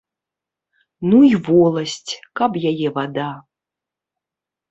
Ну і воласць, каб яе вада.